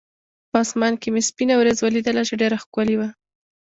په اسمان کې مې سپینه ورېځ ولیدله، چې ډېره ښکلې وه.